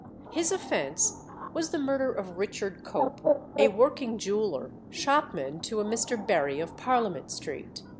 His offence was the murder of Richard Cope, a working jeweller, shopman to a Mr. Berry of Parliament Street.